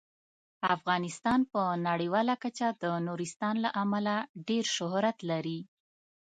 افغانستان په نړیواله کچه د نورستان له امله ډیر شهرت لري.